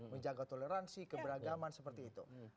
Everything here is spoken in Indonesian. menjaga toleransi keberagaman seperti itu